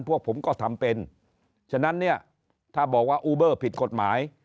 พวกผมก็ทำเป็นฉะนั้นเนี่ยถ้าบอกว่าอูเบอร์ผิดกฎหมาย